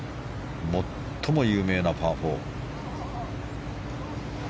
最も有名なパー４。